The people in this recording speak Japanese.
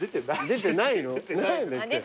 出てないのか。